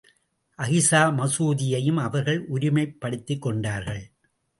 அகிஸா மசூதியையும் அவர்கள் உரிமைப் படுத்திக் கொண்டார்கள்.